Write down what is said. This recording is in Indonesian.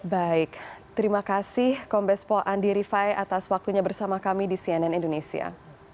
baik terima kasih kombes pol andi rifai atas waktunya bersama kami di cnn indonesia